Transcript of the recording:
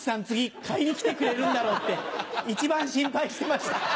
次買いに来てくれるんだろう」って一番心配してました。